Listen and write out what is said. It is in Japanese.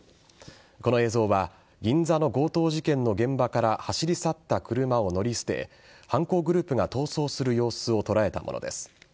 この映像は銀座の強盗事件の現場から走り去った車を乗り捨て犯行グループが逃走する様子を捉えたものです。